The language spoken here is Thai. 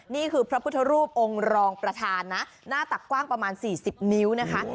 มีคือพระพุทธรูปองค์รองประถานน่าตักกว้างประมาณสี่สิบนิ้วนะคะ